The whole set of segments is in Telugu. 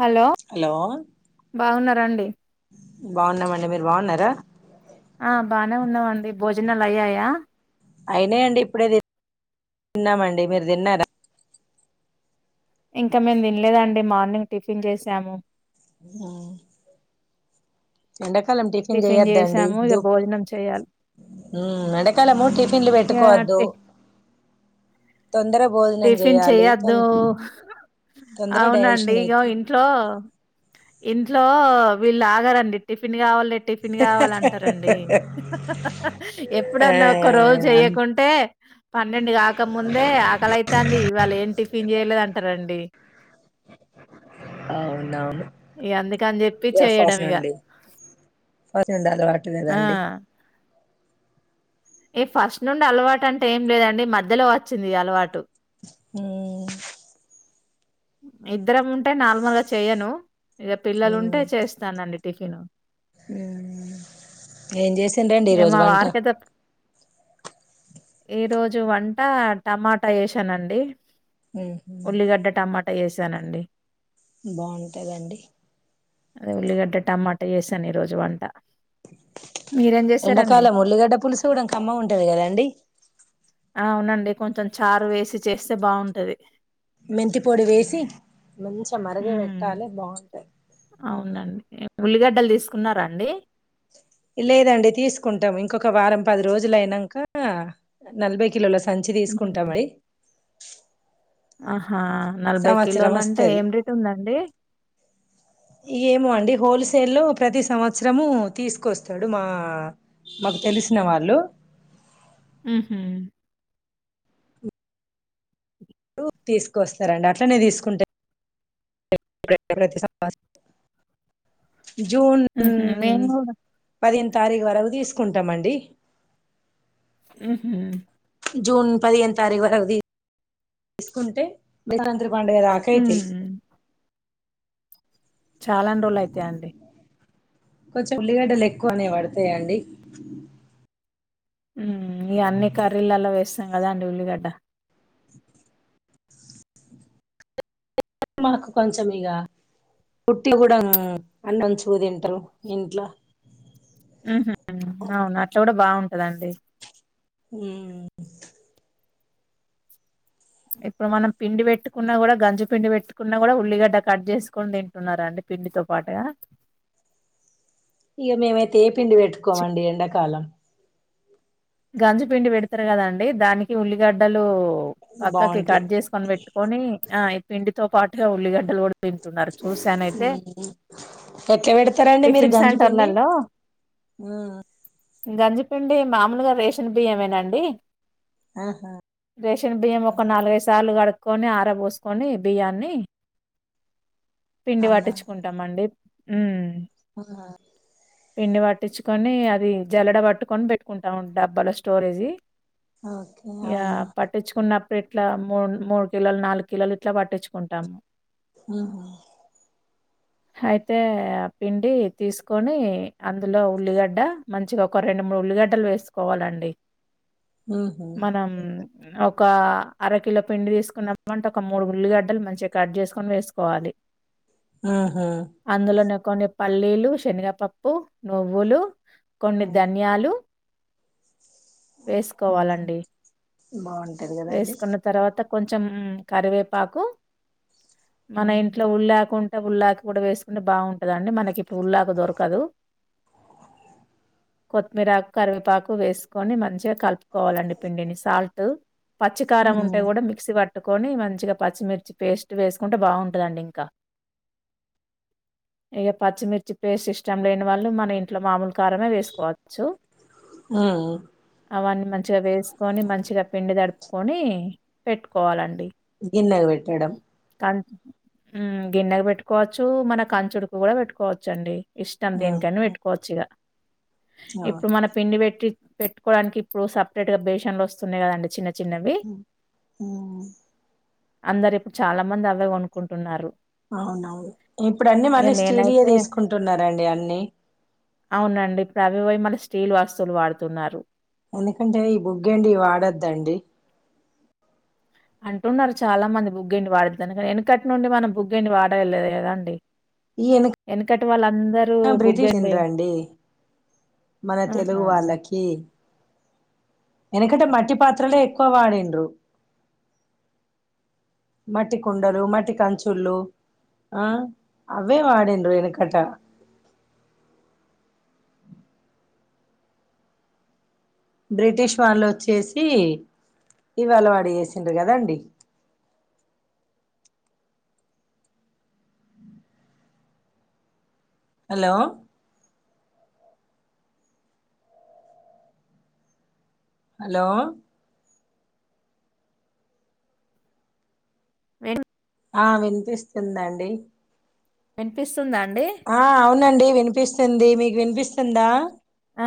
హలో బాగున రండి బాగున్నామండి మీరు బాగున్నారా ఆ బానే ఉన్నావండి భోజనాలు అయ్యాయా అయినా అండి ఇప్పుడే తిన్నామండి మీరు తిన్నారా ఇంకా మేము తినలేదండి మార్నింగ్ టిఫిన్ చేసాము ఆ ఎండాకాలం టిఫిన్ చేయొద్దండి చేసాము దూ ఇక భోజనం చేయాలి ఎండాకాలము టిఫిన్లు ఇక పెట్టుకోవద్దు టి తొందర భోజనం టిఫిన్ చేయాలి తొ చెయొద్దు తొందర అవునండి డైజెషన్ ఇగ అయితది ఇంట్లో ఇంట్లో వీళ్ళు ఆగారండి టిఫిన్ కావాల టిఫిన్ కావాలంటారండి ఆ ఎప్పుడన్నా ఒక్క రోజు చేయకుంటే పన్నెండు కాక ముందే ఆకలై ఇవాళ్ళ ఏం టిఫిన్ చేయలేదు అంటారండి అవున్నావును ఇగ అందుకని చెప్పి చేయడం అల్ఫాస్న్ ఇగ అండి ఫాస్న్ండి అదవాటులేదా ఆ అండి ఈ ఫస్ట్ నుండి అలవాటు అంటే ఏం లేదండి మధ్యలో వచ్చింది అలవాటు హ ఇద్దరం ఉంటే నార్మల్గా చెయను ఇక పిల్లలు ఉంటే చేస్తానండి దేను ఏం చేసిండ రండి ఈరోజు వంట ఈ రోజు వంట టమాటా వేసానండి ఉల్లిగడ్డ టమాట అ చేసానండి బాగుంటదండి అదే ఉల్లిగడ్డ టమాటా చేసాను ఈ రోజు వంట మీరేం జేశారండి? ఎండాకాల ఉల్లిగడ్డ పులుసు కూడాకమ్మ ఉంటది కదాండి అవునండి కొంచెం చారు వేసి చేస్తే బాగుంటది మెంతి పొడి వేసి మంచిగా మరిగే హ్మ్. పెట్టాలి బాగుంట అవునండి ఉల్లిగడ్డలు తీసుకున్నారా అండి లేదండి తీసుకుంటాం ఇంకొక వారం పది రోజులుయినాక నలభై కిలోలు సంచి తీసుకుంటాంమడి ఆ నలభై సంవత్సరం కిలోలు అంటే ఏం రేట్ ఉందండి ఇ ఏమో అండి హోల్సేల్లో ప్రతి సంవత్సరము తీసుకొస్తాడు మా మాకు తెలిసిన వాళ్ళు ఆ హ రూ తీసుకొస్తారండి అట్ల నేేన్ తీసుకుంట [inaudible] జూన్ హుహు. మేము పదిన్ తారీఖు వరకు తీసుకుంటామండి హ్మ్ హు జూన్ పదిహేను తారీఖు వరకు తీస్ కుంటే [inaudible] రాత్రి పండగా దాక హ్మ్. అయితై చాలాండోలు అయితై అండి కొంచెం ఉల్లిగడ్డలు ఎక్కువనే పడతాయండి మ్మ్ ఈ అన్ని కర్రీలలో వేస్తాం కదా అండి ఉల్లిగడ్డ మాకు కొంచెం ఇగా ఉట్టి కూడా అన్నం చూ తింటారు ఇంట్లో కాద అండి మ్మ్ ఇప్పుడు మనం పిండి పెట్టుకున్నా కూడా గంజు పిండి పెట్టుకున్నా కూడా ఉల్లిగడ్డ కట్ చేసుకొని తింటునారండి పిండితో పాటుగా ఇగా మేమైతే ఏ పిండి చి పెట్టుకోమండి ఎండాకాలం గంజి పిండి పెడతారు కదండి దానికి ఉల్లిగడ్డలు పక్కకి బాగుంటాయి కట్ చేసుకొని పెట్టుకొని ఆ పిండితో పాటుగా ఉల్లీగాడ్ ఎట్లా పెడతారండి మీరు టిఫిన్ గంజి పిండి సెంటర్‌లలో గంజి పిండి మామూల్ గా రేషన్ బియ్య ఏమేనాండి ఆహా రేషన్ బియ్యం ఒక నాలుభై సార్లు కడు కని ఆరపోసుకొని బియ్యాన్ని పిండి పటించుకుంటాం అండి ఉమ్ ఆహా పిండి పట్టించుకొని అది జల్లడ పట్టుకొని పెట్టుకుంటా ఉం డబ్బల స్టోరేజీ ఓకే యా అవునా పట్టించుకున్న ఇప్పుడు ఇట్లా మూ మూడు కిలోలు నాలుగు కిలోలు ఇట్లా పట్టించుకుంటాము ఉ హమ్ అయితే పిండి తీసుకొని అందులో ఉల్లిగడ్డ మంచిగా ఒక రెండు మూడు ఉల్లిగడ్డలు వేసు కోవాలండి ఉహు, మనం ఓ ఒక అరకిలో పిండి తీసుకున్నప్పు అంటే ఒక మూడు ఉల్లిగడ్డలు మంచిగా కట్ చేసుకొని వేసుకోవాలి ఆహా అందులోనే కొన్ని పల్లీలు శనగపప్పు నువ్వులు కొన్ని ధన్యాలు వేసుకోవాలండి బాగుంటుంది కదాండి వేసుకున్న తర్వాత కొంచెం కరివేపాకు మన ఉమ్, ఇంట్లో ఉల్లిఅకు ఉ ఉల్లాకు కూడా వేసుకుంటే బాగుంటదండి మనకిప్పుడు ఉల్లాకు దొరకదు కొత్తిమీరాకు కరివేపాకు వేసుకొని మంచిగా కలుపుకోవాలండి పిండిని సాల్ట్ పచ్చికారం ఉంటే కూడా మిక్సీ పట్టుకొని మంచిగా పచ్చిమిర్చి పేస్ట్ వేసుకుంటే బాగుంటుంది ఇంకా పచ్చిమిర్చి ఇష్టం లేని వాళ్ళు ఇగ కారమే వేసుకోవచ్చు ఉమ్, అవన్నీ మంచిగా వేసుకొని మంచిగా పిండిడుపు కొని పెట్టుకోవాలండి గిన్నెకి పెట్టడం క గిన్నెగా పెట్టుకోవచ్చు మన కంచుడుకు కూడా పెట్టుకోవచ్చుండి ఇష్టం ఉమ్, దేనికని పెట్టుకోవచ్చు ఇగ అవును. ఇప్పుడు మన పిండి పెట్టి పెట్టుకోవడానికి ఇప్పుడు సపరేట్గా బేషన్ లో వస్తున్నాయి కదండి చిన్న చి ఉ ఉమ్ అందరు ఇప్పుడు చాలా మంది అవే కొనుకుంటున్నారు అవునవును ఇప్పుడు అన్ని మళ్ళీ స్టీలియ నేనైతే తీసుకుంటున్నారంండి అన్ని అవునండి ప్రభవైమల స్టీల్ వస్తువులు వాడుతున్నారు ఎందుకంటే ఈ బుగ్గ అండి వాడొద్దండి అంటున్నారు చాలా మంది బుగ్గిండి వాడుద్దాని కానీ వెనకటి నుండి మనం బుగ్గిండి వాడలేదు కదా అండి ఈ వెనక బ్రిటిష్ బుగ్గిన్డి ఎండ్రాండి మన తెలుగు ఆహా! వాళ్ళకి వెనకట మట్టి పాత్రలే ఎక్కువ వాడిండ్రు మట్టి కుండలు మట్టి కంచుళు ఆ అవే వాడిండ్రు వెనకట బ్రిటిష్ వాళ్ళు వచ్చేసి ఇవాళవాడి చేసిండ్ర కదండి హలో హలో వె ఆ వినిపిస్తుందండి వినిపిస్ స్తుందా అండి నండి వినిపిస్తుంది మీకు వినిపిస్తుందా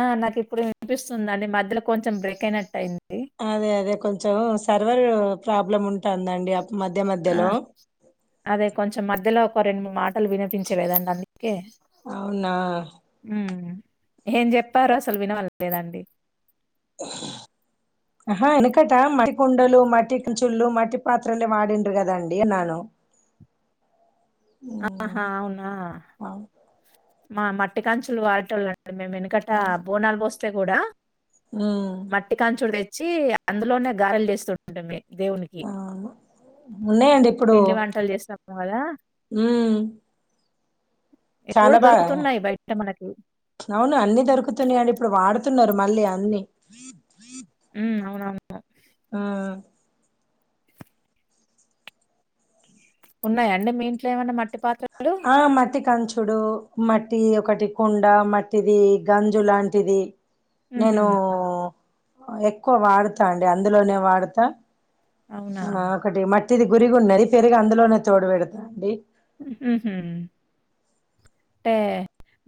ఆ నాకు ఇప్పుడు వినిపిస్తుందిండి మధ్యలో కొంచెం బ్రేక్ అయినట్టు అయింది అదే అదే కొంచెం సర్వర్ ప్రాబ్లం ఉం ఉంది మధ్య ఆ! మధ్యలో అదే కొంచెం మధ్యలో ఒక రెండు మాటలు వినిపించేదండి అన్ని క అవునా ఏం చెప్పారు అసలు వినవాలలేదండి ఆ వెనుకట మట్టి కుండలు మట్టి చుల్ళు మట్టి పాత్రలే వాడిండ్రు కదండిన్నాను ఆహా అవునా మా మట్టి కాంచులు వాడట వాళ్ళడి మేము వెనకట అవును బోనాలు పోస్తాం అే కూడాడా ఉమ్, మట్టి కాంచుడే వచ్చి అందులోనే గారలు చేస్తుండడమే ఆ ఉన్నాయండి ఇప్పుడు బాలా అహ్ ఇప్పుడు చాలా బాగా దొరుకుతున్నాయి బయట మనకి. అవును అన్ని దొరుకుతున్నాయి అండి ఇప్పుడు వాడుత న్నారు మళ్ళీ అన్నీ ఉమ్ అవ అవునంటా ఆ ఉన్నాయండి మీ ఇంట్లో ఏమైన్నా మట్టి పాత్ర ఆ మట్టి కాంచు చూడు మట్టి ఒకటి కుండ మట్టిది గంజు లాంటిది నేనూ హుహు. ఎక్కువ వాడు తాండి అందులోనే వాడతా అవునా? ఆ ఒకటి మట్ ఇది గురిగున్నది పెరుగూ అందులోనే చూడ పెడతా అండి ఉమ్ అంటే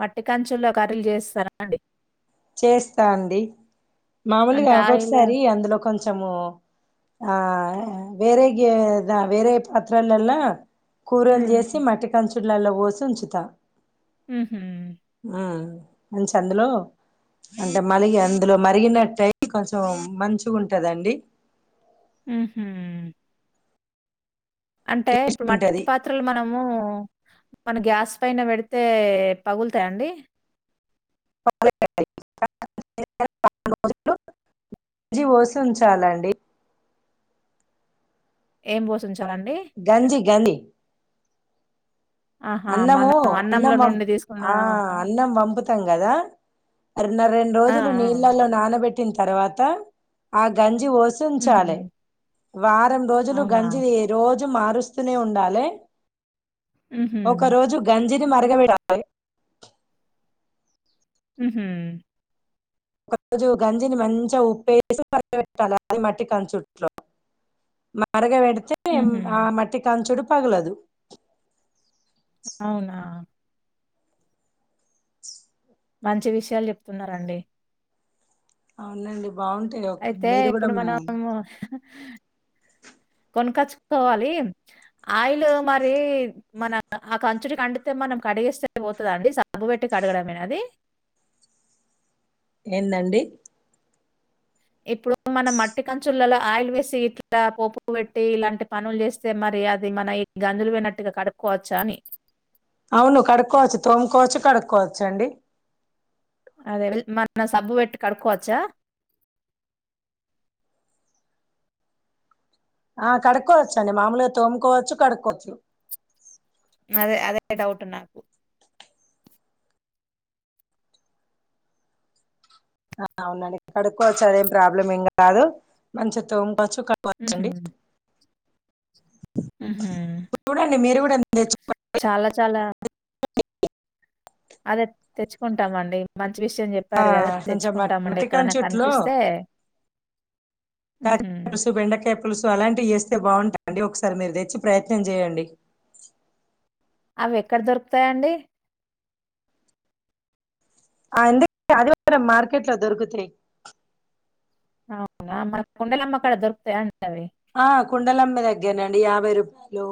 మట్టి కంచుల్లో కర్రలు చేస్తారా అండి చేస్తా అండి మామూలుగా అంటే ఆయిలు ఒక్కొక్కసారి అందులో కొంచమూ ఆ వేరే గేదా వేరే పాత్రాలలో కూరల్ హ్మ్. చేసి మట్టి కంచు చిలల్లో పోసి ఉంచుతా ఉ హుమ్ ఉంచి అందులో అంటే మలిగి అందులో మరిగినట్టై కొంచెం మంచిగా ఉంటుందండి ఆ హమ్ అంటే టేస్ట్ ఇప్పుడు మట్టి ఉంటది పాత్రలు మనమూ మన గ్యాస్ పైన పెడితే పగులుతాయ అండి జ సి ఉంచాలండి ఏం పోసుంచి గంజి గాంధీ ఆహా! అన్నము మనం అన్నంలో అన్నం నుండి తీసుకున్న ఆ అన్నం పంపుతాం కదా రన్నర రెండు ఆ! ఆ! రోజులు నీళ్ళలో నానబెట్టి టి తర్వాత ఆ గంజి హుహు. పోసించాలి వారం రోజులు అవునా? గంజి రోజు రోజు మారుస్తూనే ఉండాలి హుహు. ఒకరోజు గాంజి అ మరగండాల ఉహు ఉమ్మ్ ఒక రోజు గంజిని మంచిగా ఉప్పేసి మరట్టాలి అది మట్టి కంచుట్లో మరగవ అతే హుహు. ఆ మట్టి కా చుడు పగ్లాదు అవునా మంచి విషయాలు చెప్తున్నారండి అవునండి బాగుంటాయి అయితే మీరు కూడా ఇప్పుడు మనం కొనగచ్చుకోవాలి ఆయిల్ మరి మన ఆ కంచుడి కండితే మనం కడిగిేస్తే పోతుందండి సబ్బు పెట్టి కడగడంమది ఏందండి ఇప్పుడు మనం మట్టి కంచులలో ఆయిల్ వేసి ఇట్లా పోపు పెట్టి ఇలాంటి పనులు చేస్తే మరి అది మన గంజులు వినట్టుగా కడుక్కోవచ్చా అని అవును కడుక్కోవచ్చు తోముకోవచ్చు కడుక్కోవచ్చు అండి అదే మన సబ్బు పెట్టి కడుక్కోవచ్చా ఆ కడుక్కోవచ్చ అండి మామూలుగా తోముకోవచ్చు కడుక్కోవచ్చు అదే అదే డౌట్ నాకు ఆ అవునండి కడుక్కవచ్చు అదేం ప్రాబ్లం ఏం కాదు మంచతో చు హుహు. కట్చ్చండి హుహు. చూడండి మీరు కూడా తెచ్చుక చాలా చాలా అదే తెచ్చుకుంటామ అండి మ్య మంచి విషయం చెప్పారు కదా మంచిగా మట్- తెచ్చుకుంటామండి మట్టి ఎక్కడైనా కనిపిస్తే తజ హుహు. వెండకయ పులుసు అలాంటివి చేస్తే బాగుంటాండి ఒకసారి మీరు తెచ్చి ప్రయత్నం చేయండి. అవి ఎక్కడ దొరుకుతాయిండి ఆ ఎందుకే ఆదివారం మార్కెట్ లో దొరుకుతాయి అవునా మ ఆ కుండలమ్మ దగ్గరనండి యా వరుపాలు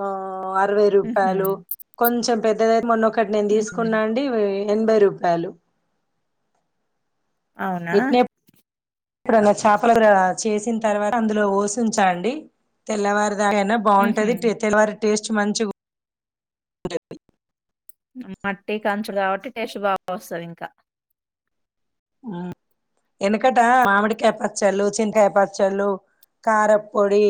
ఆ అరవై హుహు. రూపాయలు కొంచెం పెద్ద మొన్నొ ఒకటి నేను హుహు. తీసుకున్నా అండి ఎనభై రూపాయలు అవునా ఇక్కడన్న చేపల చేసిన తర్వాత అందులో ఓసించండి తెల్లవారి యినా హుహు. బాగుంటది టతల వారి టేస్ట్ మంచి [unintelligible] మట్టి కంచులు కాబట్టి టేస్ట్ బాగా వస్తుంది ఇంకా వెనకట మామిడికాయ పచ్చళ్ళు చింతకాయ పచ్చళ్ళు కారపొడి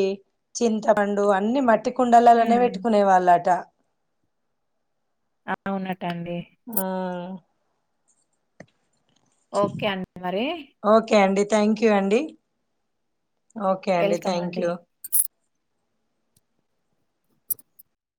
చింతపండు అన్ని మట్టి పటి కుండలలోనే హ్మ్. పెట్టుకునే వాళ్ళట అవునట్ ఆ ఓకే అండి మరి ఓకే అండి థ్యాంక్ యూ అండి ఓకే అండి థ్యాంక్ యూ